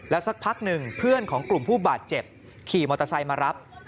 สักพักหนึ่งเพื่อนของกลุ่มผู้บาดเจ็บขี่มอเตอร์ไซค์มารับ